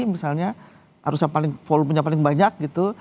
misalnya arus yang paling volume nya paling banyak gitu